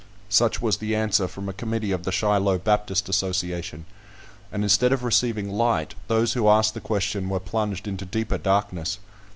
Such was the answer from a committee of the "Shiloh Baptist Association;" and instead of receiving light, those who asked the question were plunged into deeper darkness!